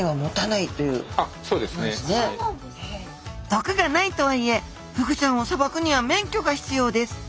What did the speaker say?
毒がないとはいえフグちゃんをさばくには免許が必要です。